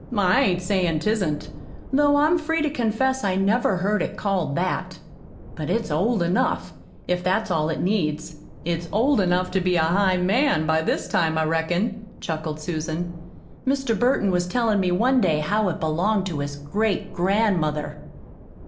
I ain't sayin' 'tisn't, though I'm free to confess I never heard it called that. But it's old enough, if that's all it needs; it's old enough to be a highMAN by this time, I reckon," chuckled Susan. "Mr. Burton was tellin' me one day how it belonged to his great grand mother."